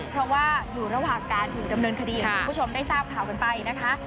เพราะว่าอยู่ระหว่างการถูกดำเนินคดีอย่างที่คุณผู้ชมได้ทราบข่าวกันไปนะคะ